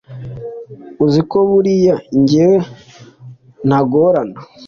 uziko buriya ngewe ntagorana